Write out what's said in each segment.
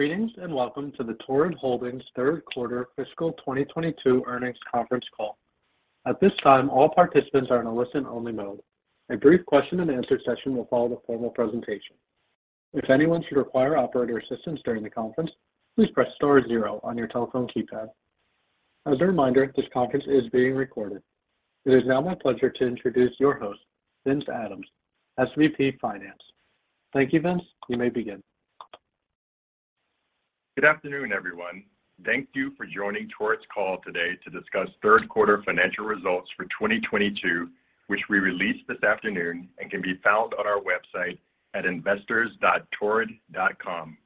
Greetings, welcome to the Torrid Holdings third quarter fiscal 2022 earnings conference call. At this time, all participants are in a listen-only mode. A brief question and answer session will follow the formal presentation. If anyone should require operator assistance during the conference, please press star zero on your telephone keypad. As a reminder, this conference is being recorded. It is now my pleasure to introduce your host, Vince Adams, SVP Finance. Thank you, Vince. You may begin. Good afternoon, everyone. Thank you for joining Torrid's call today to discuss third quarter financial results for 2022, which we released this afternoon and can be found on our website at investors.torrid.com.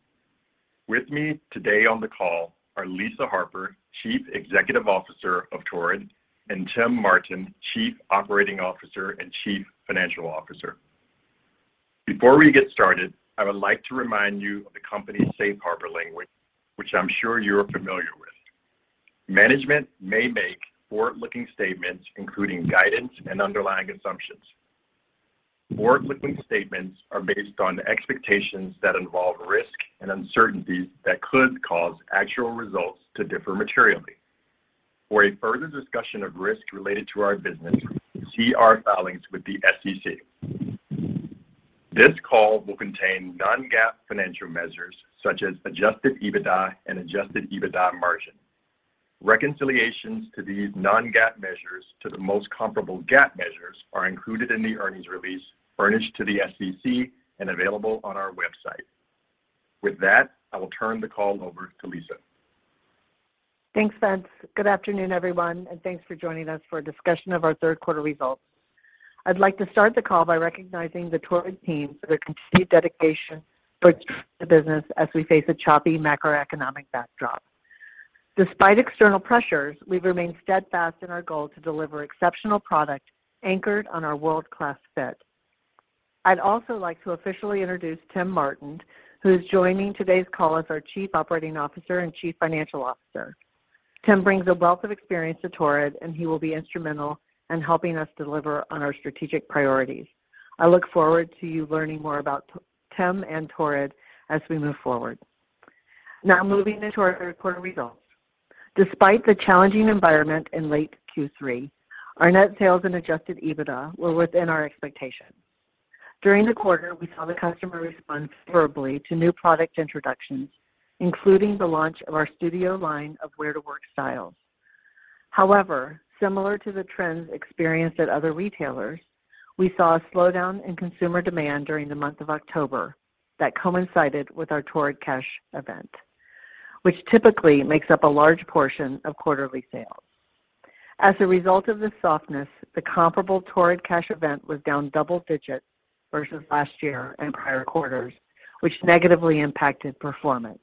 With me today on the call are Lisa Harper, Chief Executive Officer of Torrid, and Tim Martin, Chief Operating Officer and Chief Financial Officer. Before we get started, I would like to remind you of the company's safe harbor language, which I'm sure you're familiar with. Management may make forward-looking statements, including guidance and underlying assumptions. Forward-looking statements are based on expectations that involve risk and uncertainties that could cause actual results to differ materially. For a further discussion of risk related to our business, see our filings with the SEC. This call will contain non-GAAP financial measures such as adjusted EBITDA and adjusted EBITDA margin. Reconciliations to these non-GAAP measures to the most comparable GAAP measures are included in the earnings release furnished to the SEC and available on our website. With that, I will turn the call over to Lisa. Thanks, Vince. Good afternoon, everyone, thanks for joining us for a discussion of our third quarter results. I'd like to start the call by recognizing the Torrid team for their continued dedication for the business as we face a choppy macroeconomic backdrop. Despite external pressures, we've remained steadfast in our goal to deliver exceptional product anchored on our world-class fit. I'd also like to officially introduce Tim Martin, who is joining today's call as our Chief Operating Officer and Chief Financial Officer. Tim brings a wealth of experience to Torrid, and he will be instrumental in helping us deliver on our strategic priorities. I look forward to you learning more about Tim and Torrid as we move forward. Moving into our third quarter results. Despite the challenging environment in late Q3, our net sales and adjusted EBITDA were within our expectations. During the quarter, we saw the customer respond favorably to new product introductions, including the launch of our Studio line of wear-to-work styles. However, similar to the trends experienced at other retailers, we saw a slowdown in consumer demand during the month of October that coincided with our Torrid Cash event, which typically makes up a large portion of quarterly sales. As a result of this softness, the comparable Torrid Cash event was down double digits versus last year and prior quarters, which negatively impacted performance.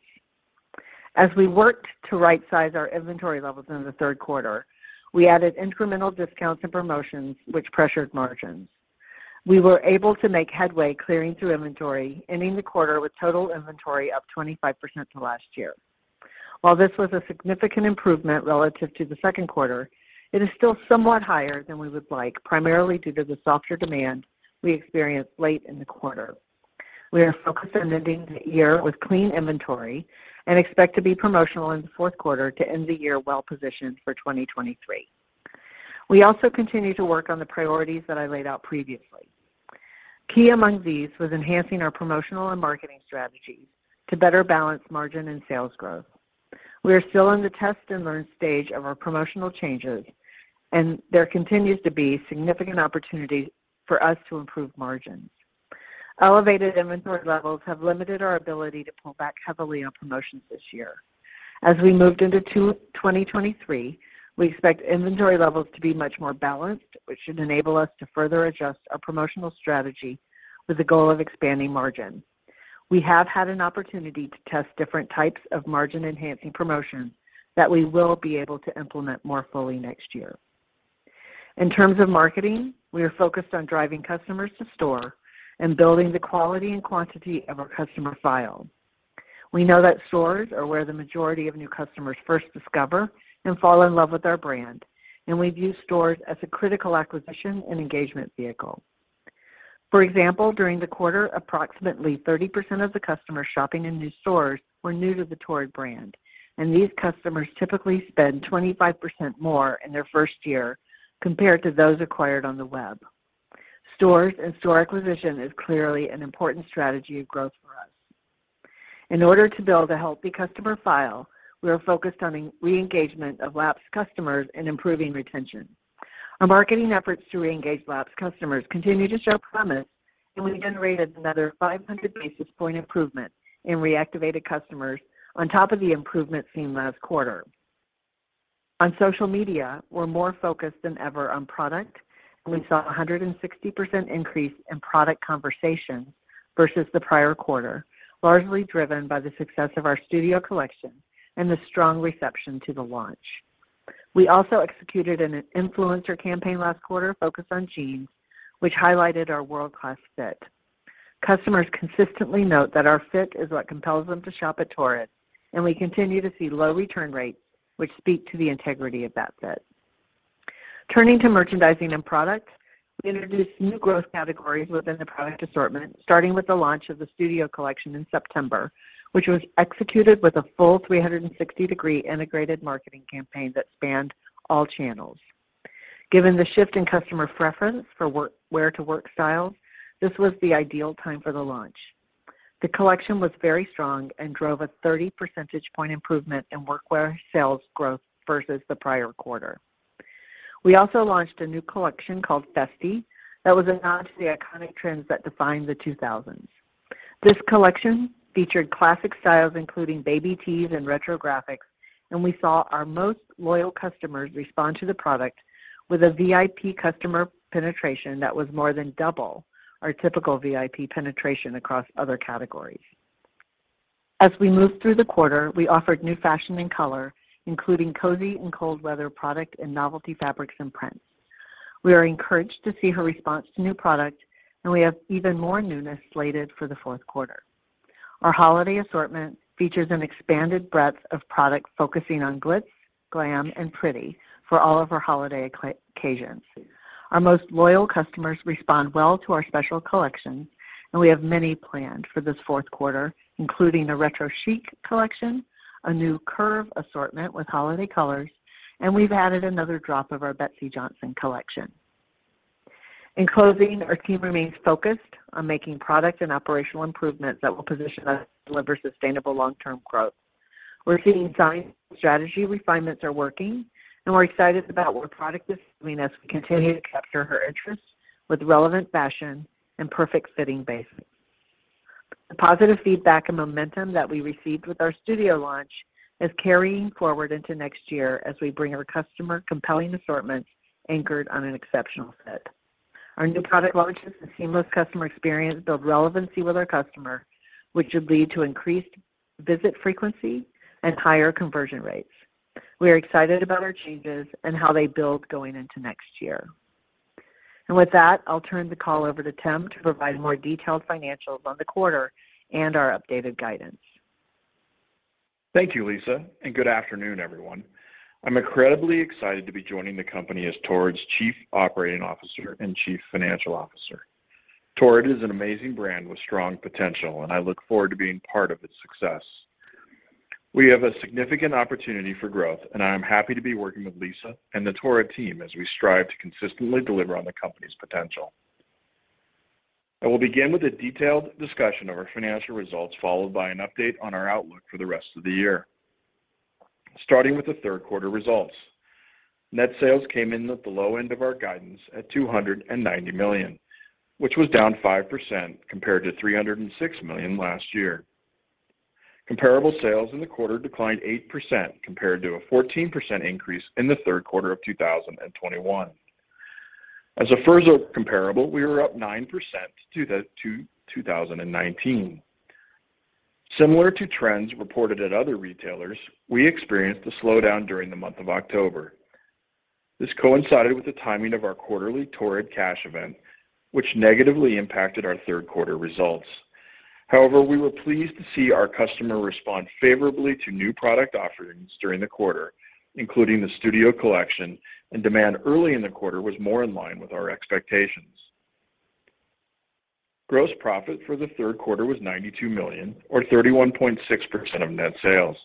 As we worked to right-size our inventory levels in the third quarter, we added incremental discounts and promotions which pressured margins. We were able to make headway clearing through inventory, ending the quarter with total inventory up 25% from last year. While this was a significant improvement relative to the second quarter, it is still somewhat higher than we would like, primarily due to the softer demand we experienced late in the quarter. We are focused on ending the year with clean inventory and expect to be promotional in the fourth quarter to end the year well positioned for 2023. We also continue to work on the priorities that I laid out previously. Key among these was enhancing our promotional and marketing strategies to better balance margin and sales growth. We are still in the test and learn stage of our promotional changes, and there continues to be significant opportunity for us to improve margins. Elevated inventory levels have limited our ability to pull back heavily on promotions this year. As we moved into 2023, we expect inventory levels to be much more balanced, which should enable us to further adjust our promotional strategy with the goal of expanding margin. We have had an opportunity to test different types of margin-enhancing promotions that we will be able to implement more fully next year. In terms of marketing, we are focused on driving customers to store and building the quality and quantity of our customer file. We know that stores are where the majority of new customers first discover and fall in love with our brand, and we view stores as a critical acquisition and engagement vehicle. For example, during the quarter, approximately 30% of the customers shopping in new stores were new to the Torrid brand. These customers typically spend 25% more in their first year compared to those acquired on the web. Stores and store acquisition is clearly an important strategy of growth for us. In order to build a healthy customer file, we are focused on re-engagement of lapsed customers and improving retention. Our marketing efforts to reengage lapsed customers continue to show promise. We generated another 500 basis point improvement in reactivated customers on top of the improvement seen last quarter. On social media, we're more focused than ever on product. We saw a 160% increase in product conversations versus the prior quarter, largely driven by the success of our Studio collection and the strong reception to the launch. We also executed an influencer campaign last quarter focused on jeans, which highlighted our world-class fit. Customers consistently note that our fit is what compels them to shop at Torrid, and we continue to see low return rates, which speak to the integrity of that fit. Turning to merchandising and product, we introduced new growth categories within the product assortment, starting with the launch of the Studio collection in September, which was executed with a full 360 degree integrated marketing campaign that spanned all channels. Given the shift in customer preference for work, wear to work styles, this was the ideal time for the launch. The collection was very strong and drove a 30 percentage point improvement in workwear sales growth versus the prior quarter. We also launched a new collection called Festi that was a nod to the iconic trends that defined the 2000s. This collection featured classic styles including baby tees and retro graphics, we saw our most loyal customers respond to the product with a VIP customer penetration that was more than double our typical VIP penetration across other categories. As we moved through the quarter, we offered new fashion and color, including cozy and cold weather product and novelty fabrics and prints. We are encouraged to see her response to new product, we have even more newness slated for the fourth quarter. Our holiday assortment features an expanded breadth of product, focusing on glitz, glam, and pretty for all of our holiday occasions. Our most loyal customers respond well to our special collections, we have many planned for this fourth quarter, including a retro chic collection, a new curve assortment with holiday colors, and we've added another drop of our Betsey Johnson collection. In closing, our team remains focused on making product and operational improvements that will position us to deliver sustainable long-term growth. We're seeing signs that strategy refinements are working, and we're excited about what our product is doing as we continue to capture her interest with relevant fashion and perfect fitting basics. The positive feedback and momentum that we received with our Studio launch is carrying forward into next year as we bring our customer compelling assortments anchored on an exceptional fit. Our new product launches and seamless customer experience build relevancy with our customer, which should lead to increased visit frequency and higher conversion rates. We are excited about our changes and how they build going into next year. With that, I'll turn the call over to Tim to provide more detailed financials on the quarter and our updated guidance. Thank you, Lisa. Good afternoon, everyone. I'm incredibly excited to be joining the company as Torrid's Chief Operating Officer and Chief Financial Officer. Torrid is an amazing brand with strong potential. I look forward to being part of its success. We have a significant opportunity for growth. I am happy to be working with Lisa and the Torrid team as we strive to consistently deliver on the company's potential. I will begin with a detailed discussion of our financial results, followed by an update on our outlook for the rest of the year. Starting with the third quarter results. Net sales came in at the low end of our guidance at $290 million, which was down 5% compared to $306 million last year. Comparable sales in the quarter declined 8% compared to a 14% increase in the third quarter of 2021. As a further comparable, we were up 9% to 2019. Similar to trends reported at other retailers, we experienced a slowdown during the month of October. This coincided with the timing of our quarterly Torrid Cash event, which negatively impacted our third quarter results. We were pleased to see our customer respond favorably to new product offerings during the quarter, including the Studio collection, and demand early in the quarter was more in line with our expectations. Gross profit for the third quarter was $92 million or 31.6% of net sales.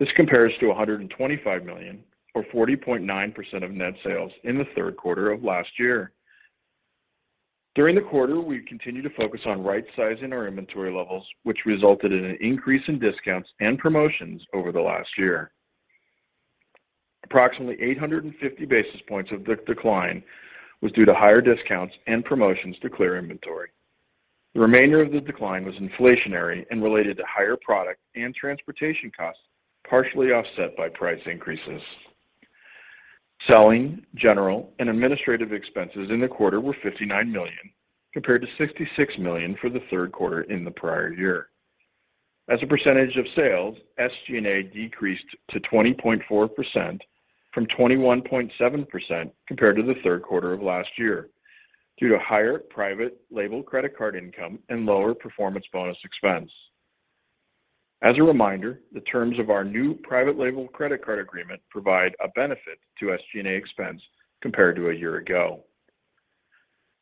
This compares to $125 million, or 40.9% of net sales in the third quarter of last year. During the quarter, we continued to focus on right sizing our inventory levels, which resulted in an increase in discounts and promotions over the last year. Approximately 850 basis points of the decline was due to higher discounts and promotions to clear inventory. The remainder of the decline was inflationary and related to higher product and transportation costs, partially offset by price increases. Selling, general and administrative expenses in the quarter were $59 million, compared to $66 million for the third quarter in the prior year. As a percentage of sales, SG&A decreased to 20.4% from 21.7% compared to the third quarter of last year due to higher private label credit card income and lower performance bonus expense. As a reminder, the terms of our new private label credit card agreement provide a benefit to SG&A expense compared to a year ago.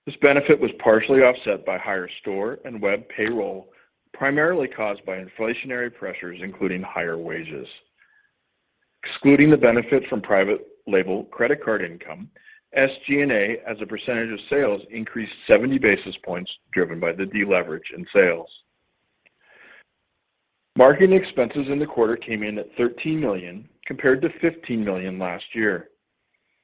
This benefit was partially offset by higher store and web payroll, primarily caused by inflationary pressures, including higher wages. Excluding the benefit from private label credit card income, SG&A as a percentage of sales increased 70 basis points, driven by the deleverage in sales. Marketing expenses in the quarter came in at $13 million compared to $15 million last year.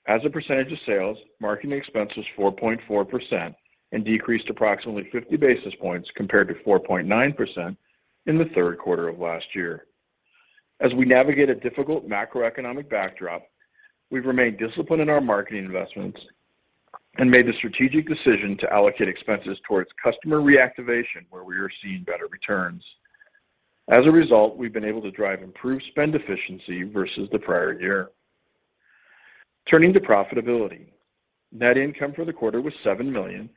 As a percentage of sales, marketing expense was 4.4% and decreased approximately 50 basis points compared to 4.9% in the third quarter of last year. As we navigate a difficult macroeconomic backdrop, we've remained disciplined in our marketing investments and made the strategic decision to allocate expenses towards customer reactivation where we are seeing better returns. We've been able to drive improved spend efficiency versus the prior year. Turning to profitability. Net income for the quarter was $7 million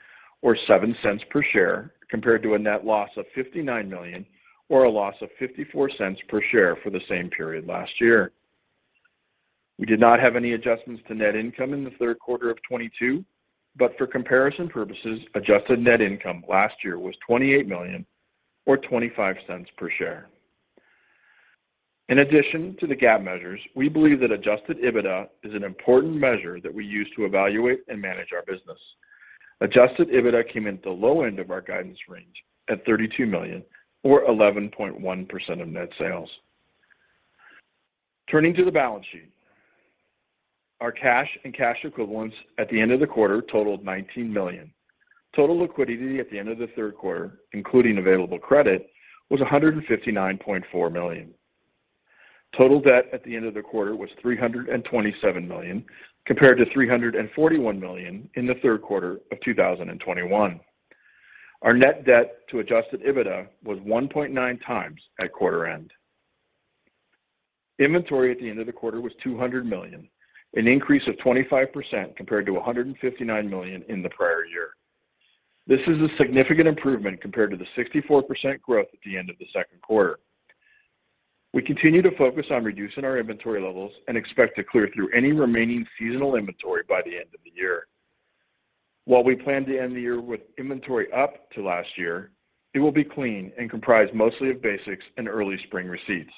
or $0.07 per share, compared to a net loss of $59 million or a loss of $0.54 per share for the same period last year. We did not have any adjustments to net income in the third quarter of 2022. For comparison purposes, adjusted net income last year was $28 million or $0.25 per share. In addition to the GAAP measures, we believe that adjusted EBITDA is an important measure that we use to evaluate and manage our business. Adjusted EBITDA came in at the low end of our guidance range at $32 million or 11.1% of net sales. Turning to the balance sheet. Our cash and cash equivalents at the end of the quarter totaled $19 million. Total liquidity at the end of the third quarter, including available credit, was $159.4 million. Total debt at the end of the quarter was $327 million compared to $341 million in the third quarter of 2021. Our net debt to adjusted EBITDA was 1.9x at quarter end. Inventory at the end of the quarter was $200 million, an increase of 25% compared to $159 million in the prior year. This is a significant improvement compared to the 64% growth at the end of the second quarter. We continue to focus on reducing our inventory levels and expect to clear through any remaining seasonal inventory by the end of the year. While we plan to end the year with inventory up to last year, it will be clean and comprise mostly of basics and early spring receipts.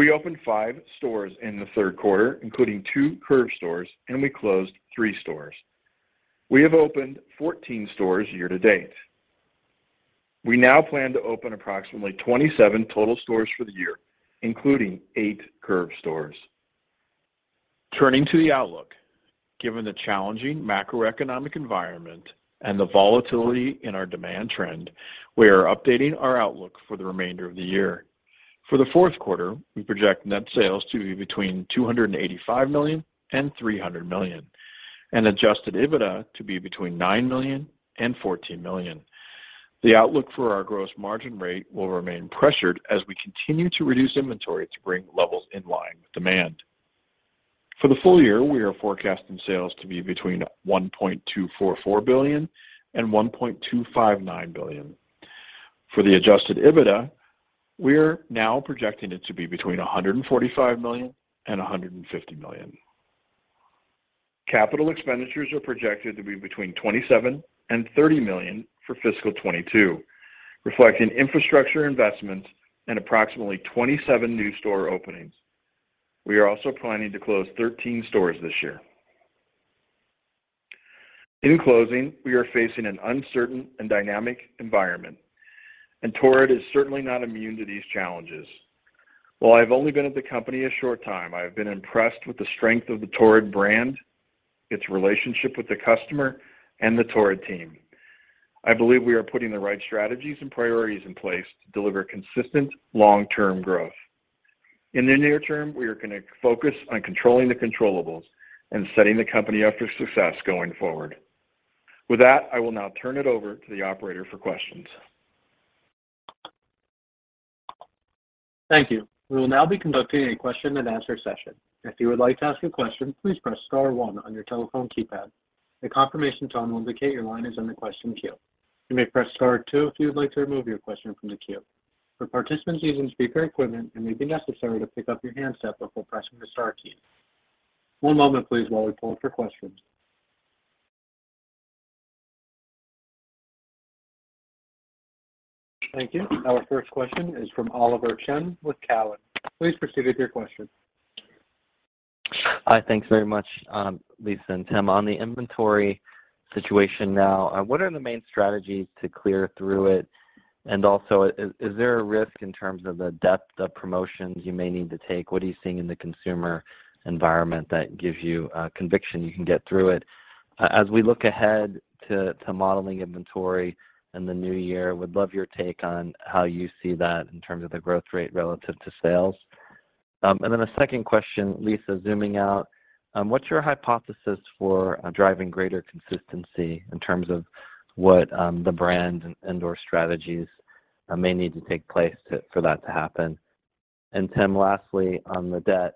We opened five stores in the third quarter, including two Curve stores, and we closed three stores. We have opened 14 stores year-to-date. We now plan to open approximately 27 total stores for the year, including eight Curve stores. Turning to the outlook. Given the challenging macroeconomic environment and the volatility in our demand trend, we are updating our outlook for the remainder of the year. For the fourth quarter, we project net sales to be between $285 million and $300 million, and adjusted EBITDA to be between $9 million and $14 million. The outlook for our gross margin rate will remain pressured as we continue to reduce inventory to bring levels in line with demand. For the full year, we are forecasting sales to be between $1.244 billion and $1.259 billion. For the adjusted EBITDA, we are now projecting it to be between $145 million and $150 million. Capital expenditures are projected to be between $27 million and $30 million for fiscal 2022, reflecting infrastructure investments and approximately 27 new store openings. We are also planning to close 13 stores this year. In closing, we are facing an uncertain and dynamic environment. Torrid is certainly not immune to these challenges. While I've only been at the company a short time, I have been impressed with the strength of the Torrid brand, its relationship with the customer, and the Torrid team. I believe we are putting the right strategies and priorities in place to deliver consistent long-term growth. In the near term, we are gonna focus on controlling the controllables and setting the company up for success going forward. With that, I will now turn it over to the operator for questions. Thank you. We will now be conducting a question and answer session. If you would like to ask a question, please press star one on your telephone keypad. A confirmation tone will indicate your line is in the question queue. You may press star two if you would like to remove your question from the queue. For participants using speaker equipment, it may be necessary to pick up your handset before pressing the star key. One moment, please, while we poll for questions. Thank you. Our first question is from Oliver Chen with Cowen. Please proceed with your question. Hi. Thanks very much, Lisa and Tim. On the inventory situation now, what are the main strategies to clear through it? Also, is there a risk in terms of the depth of promotions you may need to take? What are you seeing in the consumer environment that gives you, conviction you can get through it? As we look ahead to modeling inventory in the new year, would love your take on how you see that in terms of the growth rate relative to sales. A second question, Lisa, zooming out, what's your hypothesis for driving greater consistency in terms of what, the brand and indoor strategies, may need to take place for that to happen? Tim, lastly on the debt,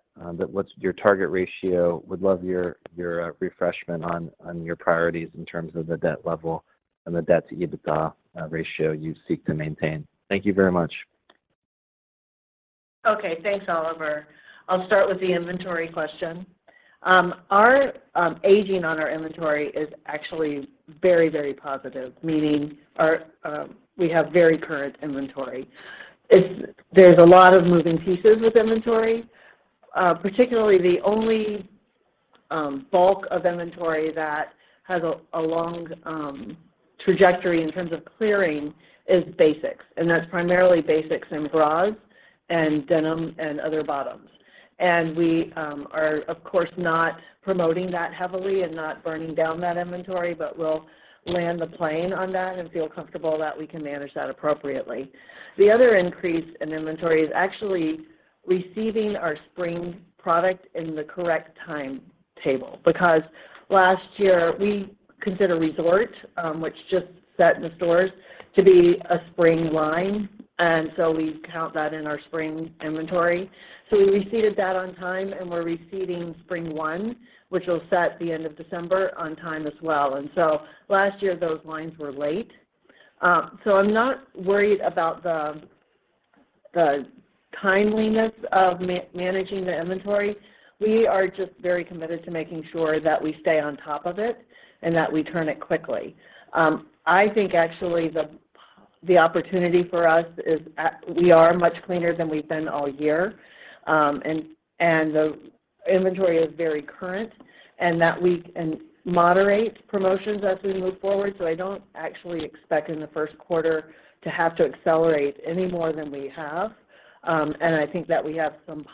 what's your target ratio? Would love your refreshment on your priorities in terms of the debt level and the debt-to-EBITDA ratio you seek to maintain. Thank you very much. Okay. Thanks, Oliver. I'll start with the inventory question. Our aging on our inventory is actually very, very positive, meaning our... We have very current inventory. There's a lot of moving pieces with inventory. Particularly the only bulk of inventory that has a long trajectory in terms of clearing is basics, and that's primarily basics in bras and denim and other bottoms. We are of course not promoting that heavily and not burning down that inventory, but we'll land the plane on that and feel comfortable that we can manage that appropriately. The other increase in inventory is actually receiving our spring product in the correct time table because last year we considered resort, which just set in the stores to be a spring line and so we count that in our spring inventory. We received that on time, and we're receiving spring one, which will set the end of December on time as well. Last year those lines were late. I'm not worried about the timeliness of managing the inventory. We are just very committed to making sure that we stay on top of it and that we turn it quickly. I think actually the opportunity for us is we are much cleaner than we've been all year, and the inventory is very current and that we and moderate promotions as we move forward. I don't actually expect in the first quarter to have to accelerate any more than we have. I think that we have some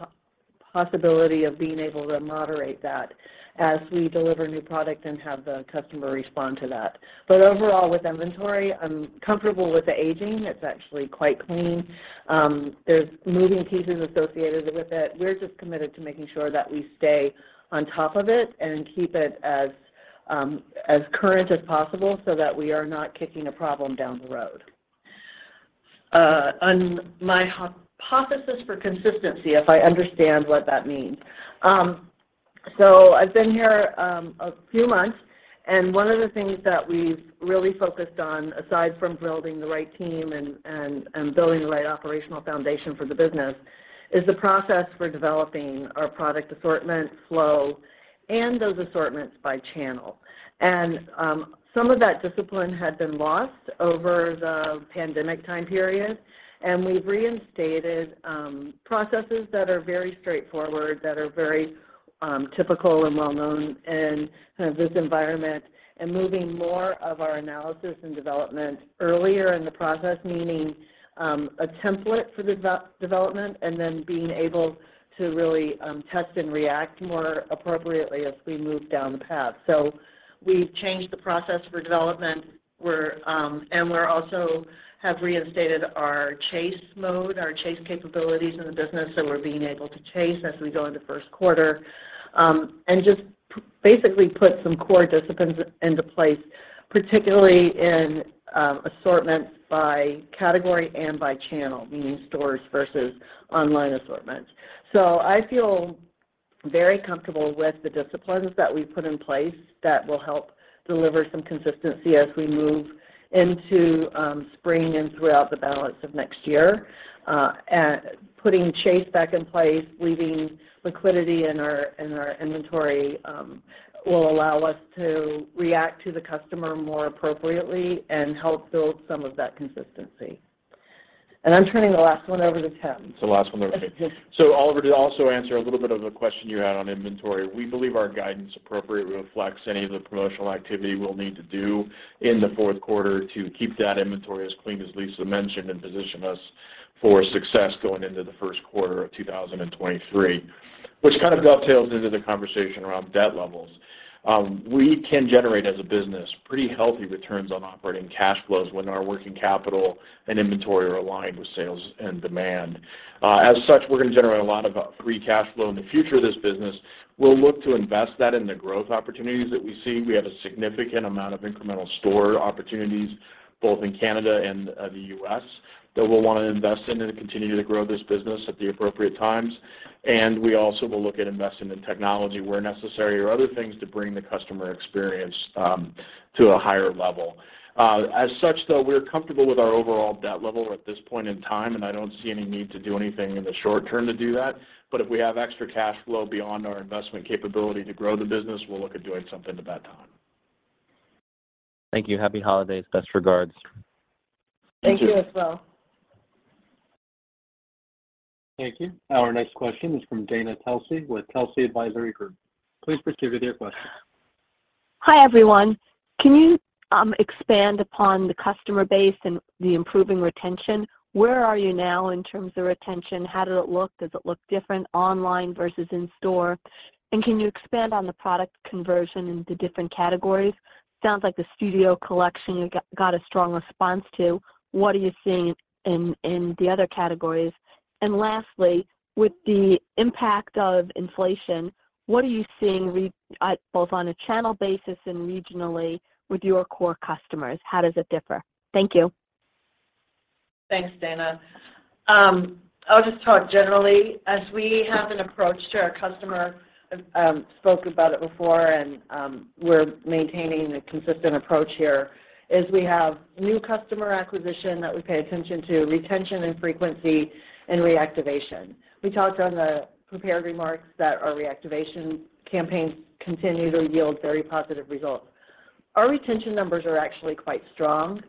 possibility of being able to moderate that as we deliver new product and have the customer respond to that. Overall with inventory, I'm comfortable with the aging. It's actually quite clean. There's moving pieces associated with it. We're just committed to making sure that we stay on top of it and keep it as current as possible so that we are not kicking a problem down the road. On my hypothesis for consistency, if I understand what that means. I've been here a few months, one of the things that we've really focused on aside from building the right team and building the right operational foundation for the business, is the process for developing our product assortment flow and those assortments by channel. Some of that discipline had been lost over the pandemic time period. We've reinstated processes that are very straightforward, that are very typical and well known in kind of this environment and moving more of our analysis and development earlier in the process, meaning a template for development and then being able to really test and react more appropriately as we move down the path. We've changed the process for development. We're, and we're also have reinstated our chase mode, our chase capabilities in the business, so we're being able to chase as we go into first quarter. Just basically put some core disciplines into place, particularly in assortments by category and by channel, meaning stores versus online assortments. I feel very comfortable with the disciplines that we've put in place that will help deliver some consistency as we move into spring and throughout the balance of next year. Putting chase back in place, leaving liquidity in our inventory, will allow us to react to the customer more appropriately and help build some of that consistency. I'm turning the last one over to Tim. It's the last one. Oliver, to also answer a little bit of a question you had on inventory. We believe our guidance appropriately reflects any of the promotional activity we'll need to do in the fourth quarter to keep that inventory as clean as Lisa mentioned and position us for success going into the first quarter of 2023. Which kind of dovetails into the conversation around debt levels. We can generate as a business pretty healthy returns on operating cash flows when our working capital and inventory are aligned with sales and demand. As such, we're gonna generate a lot of free cash flow in the future of this business. We'll look to invest that in the growth opportunities that we see. We have a significant amount of incremental store opportunities both in Canada and the U.S. that we'll wanna invest in and continue to grow this business at the appropriate times. We also will look at investing in technology where necessary or other things to bring the customer experience to a higher level. As such though, we're comfortable with our overall debt level at this point in time, and I don't see any need to do anything in the short term to do that. If we have extra cash flow beyond our investment capability to grow the business, we'll look at doing something at that time. Thank you. Happy holidays. Best regards. Thank you as well. Thank you. Thank you. Our next question is from Dana Telsey with Telsey Advisory Group. Please proceed with your question. Hi, everyone. Can you expand upon the customer base and the improving retention? Where are you now in terms of retention? How did it look? Does it look different online versus in store? Can you expand on the product conversion into different categories? Sounds like the Studio collection you got a strong response to. What are you seeing in the other categories? Lastly, with the impact of inflation, what are you seeing both on a channel basis and regionally with your core customers? How does it differ? Thank you. Thanks, Dana. I'll just talk generally as we have an approach to our customer, spoke about it before and, we're maintaining a consistent approach here, is we have new customer acquisition that we pay attention to, retention and frequency and reactivation. We talked on the prepared remarks that our reactivation campaigns continue to yield very positive results. Our retention numbers are actually quite strong,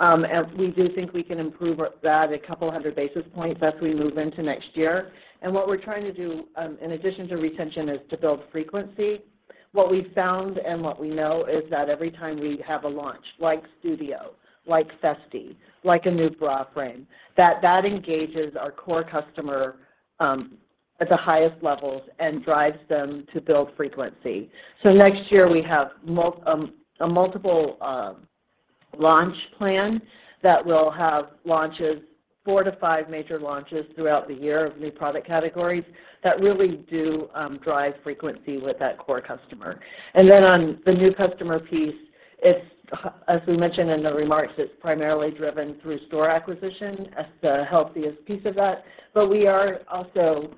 as we do think we can improve that a couple hundred basis points as we move into next year. What we're trying to do, in addition to retention, is to build frequency. What we've found and what we know is that every time we have a launch like Studio, like Festi, like a new bra frame, that that engages our core customer, at the highest levels and drives them to build frequency. Next year we have a multiple launch plan that will have launches 4-5 major launches throughout the year of new product categories that really do drive frequency with that core customer. On the new customer piece, it's as we mentioned in the remarks, it's primarily driven through store acquisition as the healthiest piece of that. We are also,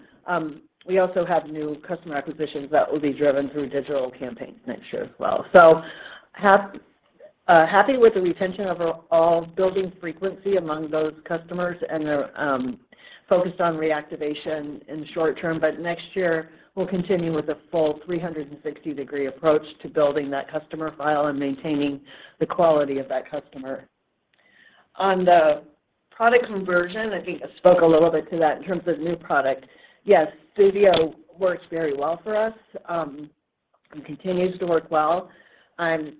we also have new customer acquisitions that will be driven through digital campaigns next year as well. Happy with the retention of all building frequency among those customers and the focus on reactivation in short term. Next year, we'll continue with a full 360-degree approach to building that customer file and maintaining the quality of that customer. On the product conversion, I think I spoke a little bit to that in terms of new product. Yes, Studio works very well for us and continues to work well. I'm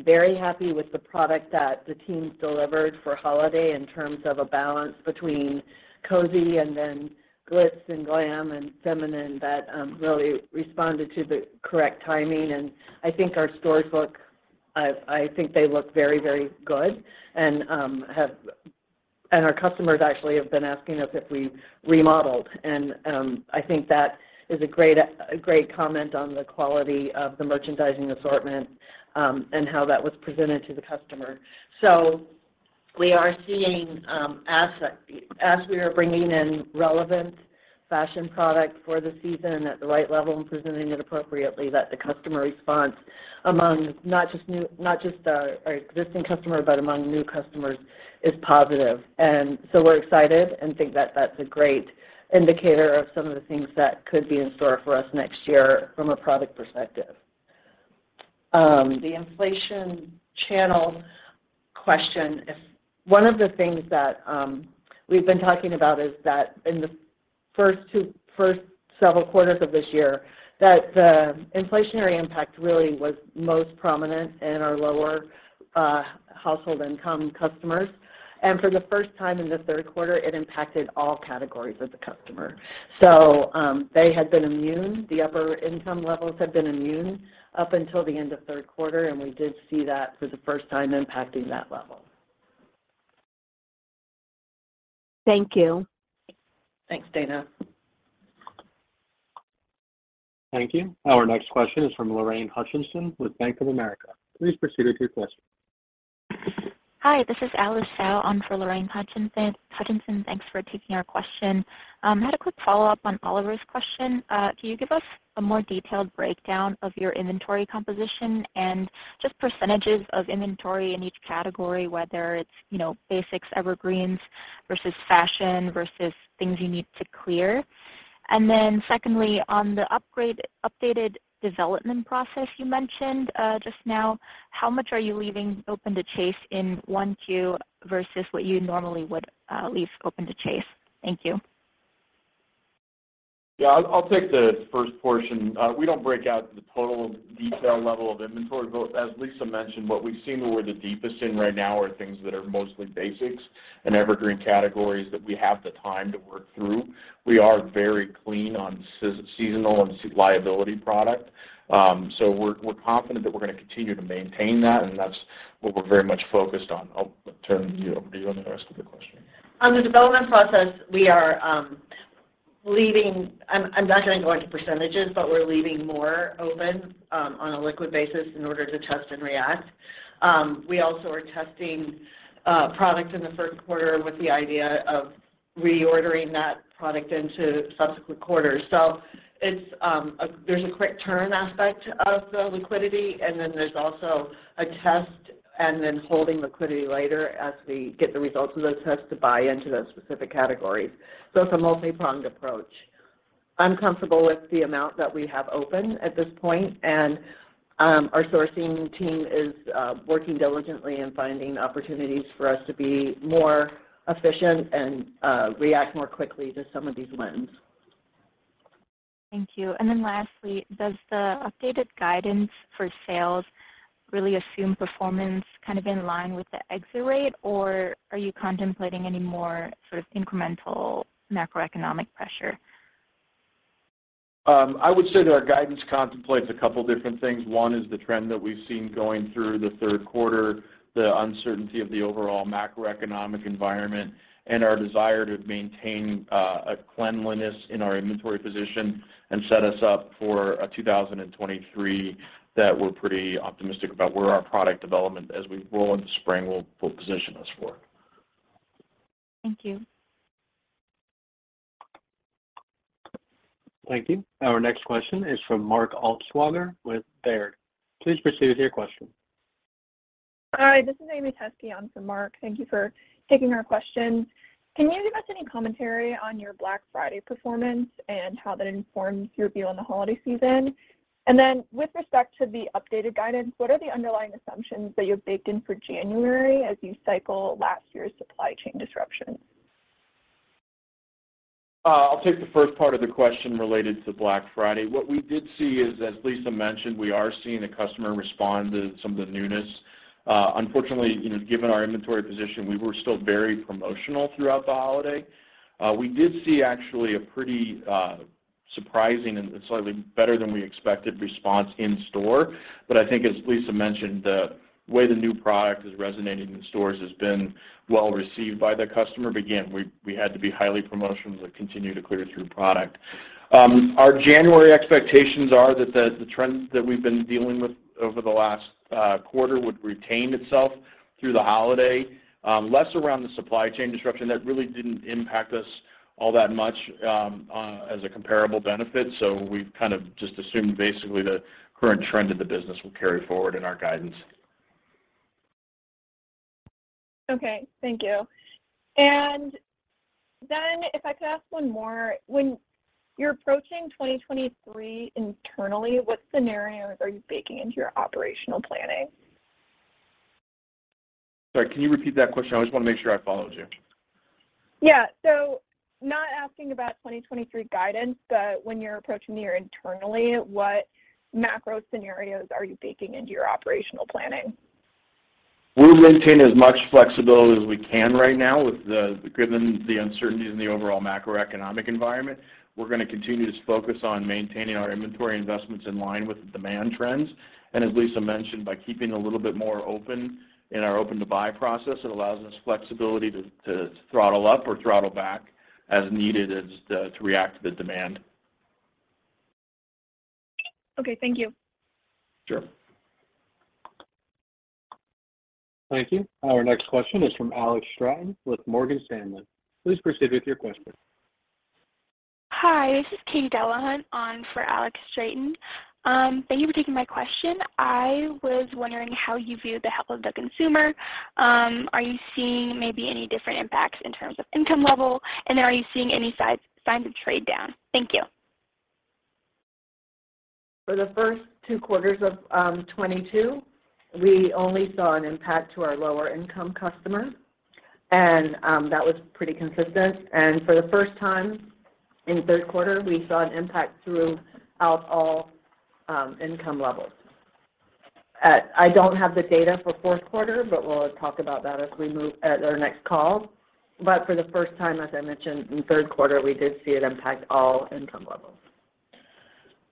very happy with the product that the teams delivered for holiday in terms of a balance between cozy and then glitz and glam and feminine that really responded to the correct timing. I think our stores look, I think they look very, very good and our customers actually have been asking us if we remodeled. I think that is a great, a great comment on the quality of the merchandising assortment and how that was presented to the customer. We are seeing, as we are bringing in relevant fashion products for the season at the right level and presenting it appropriately, that the customer response among not just our existing customers, but among new customers is positive. We're excited and think that that's a great indicator of some of the things that could be in store for us next year from a product perspective. The inflation channel question is. One of the things that we've been talking about is that in the first several quarters of this year, that the inflationary impact really was most prominent in our lower household income customers. For the first time in the third quarter, it impacted all categories of the customer. They had been immune. The upper income levels had been immune up until the end of third quarter. We did see that for the first time impacting that level. Thank you. Thanks, Dana. Thank you. Our next question is from Lorraine Hutchinson with Bank of America. Please proceed with your question. Hi, this is Alice Xiao on for Lorraine Hutchinson. Thanks for taking our question. Had a quick follow-up on Oliver's question. Can you give us a more detailed breakdown of your inventory composition and just percentage of inventory in each category, whether it's, you know, basics, evergreens versus fashion versus things you need to clear? Secondly, on the updated development process you mentioned just now, how much are you leaving open to chase in 1Q versus what you normally would leave open to chase? Thank you. Yeah. I'll take the first portion. We don't break out the total detail level of inventory. As Lisa mentioned, what we've seen where we're the deepest in right now are things that are mostly basics and evergreen categories that we have the time to work through. We are very clean on seasonal and liability product. We're confident that we're gonna continue to maintain that, and that's what we're very much focused on. I'll turn to you. Do you want me to answer the other question? On the development process, we are leaving. I'm not gonna go into percentages, we're leaving more open on a liquid basis in order to test and react. We also are testing product in the first quarter with the idea of reordering that product into subsequent quarters. It's, there's a quick turn aspect of the liquidity, and then there's also a test and then holding liquidity later as we get the results of those tests to buy into those specific categories. It's a multi-pronged approach. I'm comfortable with the amount that we have open at this point, and our sourcing team is working diligently in finding opportunities for us to be more efficient and react more quickly to some of these wins. Thank you. Lastly, does the updated guidance for sales really assume performance kind of in line with the exit rate, or are you contemplating any more sort of incremental macroeconomic pressure? I would say that our guidance contemplates a couple different things. One is the trend that we've seen going through the third quarter, the uncertainty of the overall macroeconomic environment, and our desire to maintain a cleanliness in our inventory position and set us up for a 2023 that we're pretty optimistic about where our product development as we roll into spring will position us for. Thank you. Thank you. Our next question is from Mark Altschwager with Baird. Please proceed with your question. Hi, this is Amy Teske on for Mark Altschwager. Thank you for taking our question. Can you give us any commentary on your Black Friday performance and how that informs your view on the holiday season? With respect to the updated guidance, what are the underlying assumptions that you've baked in for January as you cycle last year's supply chain disruptions? I'll take the first part of the question related to Black Friday. What we did see is, as Lisa mentioned, we are seeing the customer respond to some of the newness. Unfortunately, you know, given our inventory position, we were still very promotional throughout the holiday. We did see actually a pretty surprising and slightly better than we expected response in store. I think, as Lisa mentioned, the way the new product is resonating in stores has been well-received by the customer. Again, we had to be highly promotional to continue to clear through product. Our January expectations are that the trends that we've been dealing with over the last quarter would retain itself through the holiday. Less around the supply chain disruption. That really didn't impact us all that much, as a comparable benefit, we've kind of just assumed basically the current trend of the business will carry forward in our guidance. Okay, thank you. If I could ask one more. When you're approaching 2023 internally, what scenarios are you baking into your operational planning? Sorry, can you repeat that question? I just wanna make sure I followed you. Yeah. Not asking about 2023 guidance, but when you're approaching the year internally, what macro scenarios are you baking into your operational planning? We maintain as much flexibility as we can right now given the uncertainties in the overall macroeconomic environment. We're gonna continue to focus on maintaining our inventory investments in line with the demand trends. As Lisa mentioned, by keeping a little bit more open in our open-to-buy process, it allows us flexibility to throttle up or throttle back as needed as to react to the demand. Okay, thank you. Sure. Thank you. Our next question is from Alexandra Straton with Morgan Stanley. Please proceed with your question. Hi, this is Katy Delahunt on for Alex Straton. Thank you for taking my question. I was wondering how you view the health of the consumer. Are you seeing maybe any different impacts in terms of income level, are you seeing any signs of trade down? Thank you. For the first two quarters of 2022, we only saw an impact to our lower income customer, and that was pretty consistent. For the first time in third quarter, we saw an impact throughout all income levels. I don't have the data for fourth quarter, but we'll talk about that as we move at our next call. For the first time, as I mentioned, in third quarter, we did see it impact all income levels.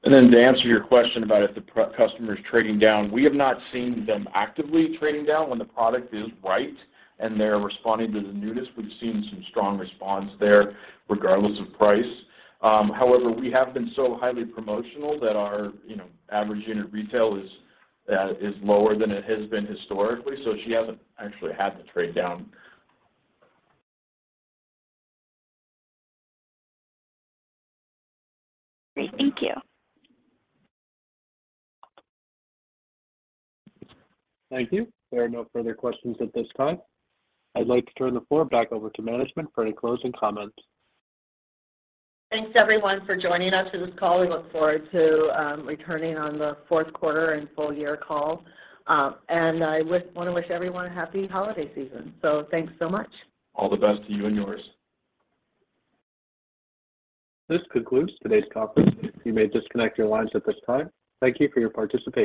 To answer your question about if the customer is trading down, we have not seen them actively trading down when the product is right and they're responding to the newness. We've seen some strong response there regardless of price. However, we have been so highly promotional that our, you know, average unit retail is lower than it has been historically, so she hasn't actually had to trade down. Great. Thank you. Thank you. There are no further questions at this time. I'd like to turn the floor back over to management for any closing comments. Thanks everyone for joining us for this call. We look forward to returning on the fourth quarter and full year call. I wanna wish everyone a happy holiday season. Thanks so much. All the best to you and yours. This concludes today's conference. You may disconnect your lines at this time. Thank you for your participation.